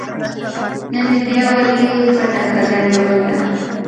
نن دې بيا ولې څټه کږه نيولې ده